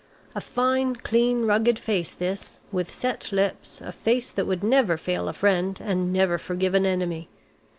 A fine, clean, rugged face this, with set lips, a face that would never fail a friend, and never forgive an enemy.